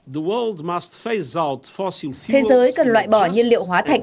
thế giới cần loại bỏ nhiên liệu hóa thạch